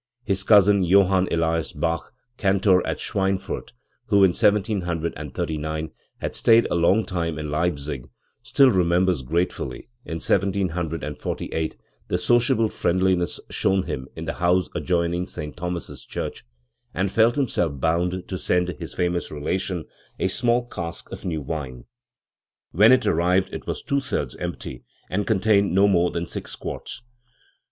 His cousin Johann Elias Bach, cantor at Schweinfurt, who in 1739 had stayed a long time in Leipzig, still remembered gratefully in 1748 the sociable friendliness shown him in the house adjoining St. Thomas's Church, and felt himself bound to send his famous relation a small cask of new wine. When it arrived it was two thirds empty, and contained no more than six quarts.